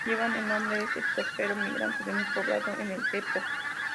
Llevan el nombre de este próspero migrante un poblado en el dpto.